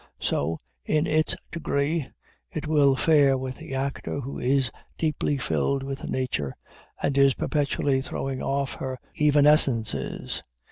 So, in its degree, it will fare with the actor who is deeply filled with nature, and is perpetually throwing off her beautiful evanescences.